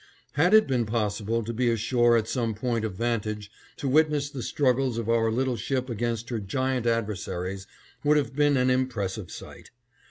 Had it been possible to be ashore at some point of vantage, to witness the struggles of our little ship against her giant adversaries would have been an impressive sight.